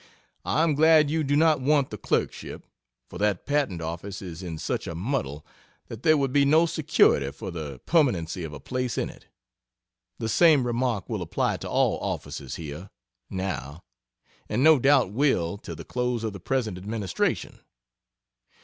I am glad you do not want the clerkship, for that Patent Office is in such a muddle that there would be no security for the permanency of a place in it. The same remark will apply to all offices here, now, and no doubt will, till the close of the present administration.